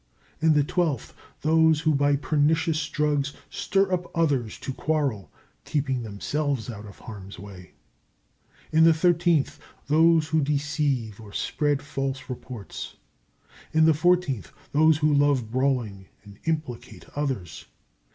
In the twelfth, those who by pernicious drugs stir up others to quarrel, keeping themselves out of harm's way. In the thirteenth, those who deceive or spread false reports. In the fourteenth, those who love brawling and implicate others.